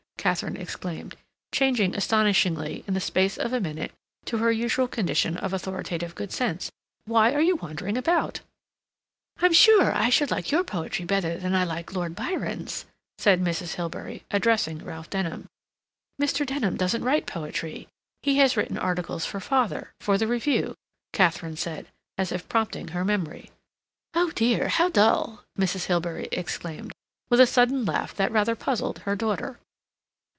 Katharine exclaimed, changing astonishingly in the space of a minute to her usual condition of authoritative good sense. "Why are you wandering about?" "I'm sure I should like your poetry better than I like Lord Byron's," said Mrs. Hilbery, addressing Ralph Denham. "Mr. Denham doesn't write poetry; he has written articles for father, for the Review," Katharine said, as if prompting her memory. "Oh dear! How dull!" Mrs. Hilbery exclaimed, with a sudden laugh that rather puzzled her daughter.